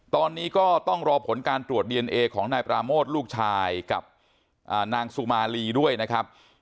ตอนนี้ก็ต้องรอผลการตรวจดีเอนเอของนายปราโมทลูกชายกับนางสุมาลีด้วยนะครับ